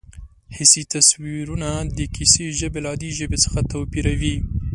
حسي تصویرونه د کیسې ژبه له عادي ژبې څخه توپیروي